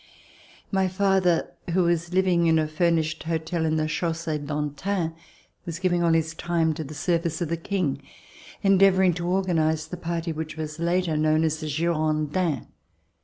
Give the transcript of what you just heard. My father who was living in a furnished hotel in the Chaussee d'Antin was giving all his time to the service of the King, endeavoring to organize the party which was later known as the Girondins.